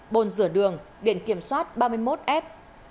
bồn rửa đường điện kiểm soát ba mươi một f chín mươi năm nghìn ba trăm tám mươi tám